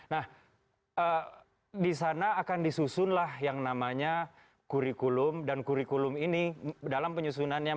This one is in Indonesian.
nah di sana akan disusunlah yang namanya kurikulum dan kurikulum ini dalam penyusunannya